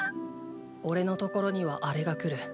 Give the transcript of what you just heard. おれのところには「あれ」が来る。